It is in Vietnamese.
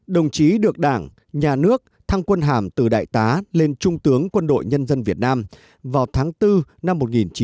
đồng chí được đảng nhà nước thăng quân hàm từ đại tá lên trung tướng quân đội nhân dân việt nam vào tháng bốn năm một nghìn chín trăm bảy mươi